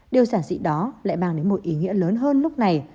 điều giản dị đó lại mang đến một ý nghĩa lớn hơn lúc này